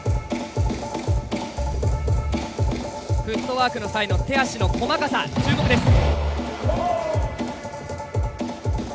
フットワークの際の手足の細かさ注目です。